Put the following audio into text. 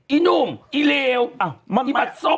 อ๋ออีหนูมอีเลวอีบาทชม